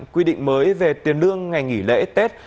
quy định mới về tiền lương ngày nghỉ lễ tết